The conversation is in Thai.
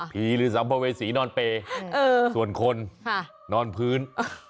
หรือสัมภเวษีนอนเปย์ส่วนคนนอนพื้น